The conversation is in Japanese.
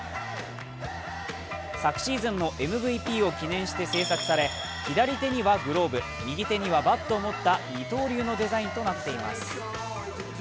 昨シーズンのＭＶＰを記念して制作され左手にはグローブ、右手にはバットを持った二刀流のデザインとなっています。